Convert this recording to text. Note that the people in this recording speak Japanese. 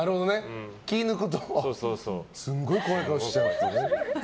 気を抜くとすごい怖い顔しちゃうっていうね。